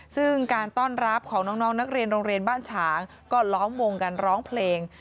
ซึ่งการต้อนรับของน้องนักเรียนโรงเรียนบ้านฉางก็ล้อมวงกันร้องเพลง